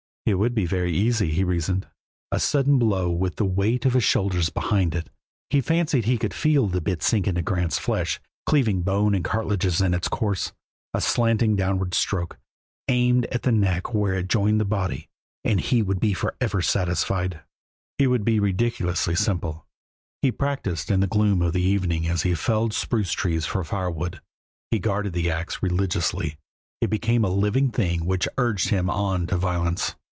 It would be very easy, he reasoned; a sudden blow, with the weight of his shoulders behind it he fancied he could feel the bit sink into Grant's flesh, cleaving bone and cartilages in its course a slanting downward stroke, aimed at the neck where it joined the body, and he would be forever satisfied. It would be ridiculously simple. He practiced in the gloom of evening as he felled spruce trees for firewood; he guarded the ax religiously; it became a living thing which urged him on to violence.